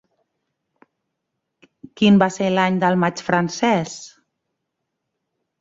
Quin va ser l'any del maig francès?